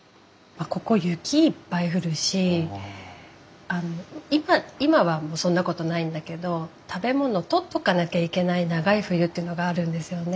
ここ雪いっぱい降るし今はもうそんなことないんだけど食べ物を取っとかなきゃいけない長い冬というのがあるんですよね。